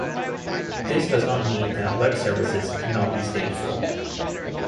This does not mean that web services could not be stateful.